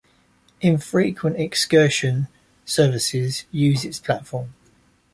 Infrequent excursion services use its platform.